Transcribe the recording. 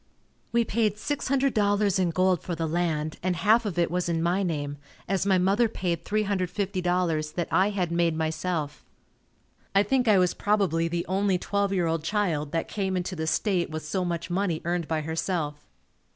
We paid $600.00 in gold for the land and half of it was in my name, as my mother paid $350.00 that I had made myself. I think I was probably the only twelve year old child that came into the state with so much money earned by herself.